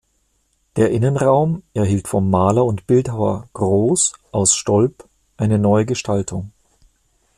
Der Innenraum erhielt vom Maler und Bildhauer "Groß" aus Stolp eine neue Gestaltung.